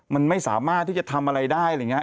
มันไม่สามารถที่จะทำอะไรได้อะไรอย่างนี้